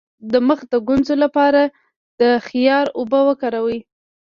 د مخ د ګونځو لپاره د خیار اوبه وکاروئ